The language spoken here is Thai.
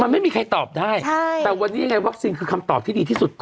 มันไม่มีใครตอบได้แต่วันนี้ยังไงวัคซีนคือคำตอบที่ดีที่สุด